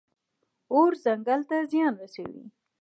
اور ځنګل ته زیان رسوي.